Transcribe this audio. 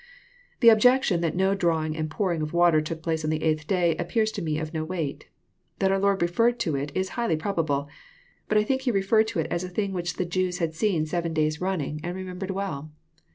The objection that no drawing and pouring of water took place on the eighth day, appears to me of no weight. That our Lord referred to it, is highly probable. But I think He re ferred to it as a thing which the Jews had seen seven days ran* n 44 EXFOSrrOBT THOaOHTS. nlngf and remembered well.